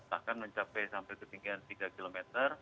bahkan mencapai sampai ketinggian tiga km